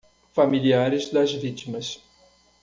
Familiares das vítimas